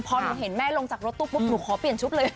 พอหนูเห็นแม่ลงจากรถตู้ปุ๊บหนูขอเปลี่ยนชุดเลย